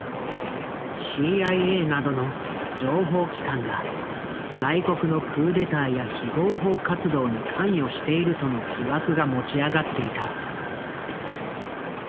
ＣＩＡなどの情報機関が外国のクーデターや非合法活動に関与しているとの疑惑が持ち上がっていた。